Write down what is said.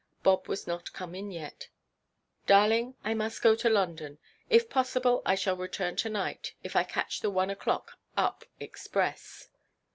Bob was not come in yet. "Darling, I must go to London. If possible I shall return to–night, if I catch the one oʼclock up express."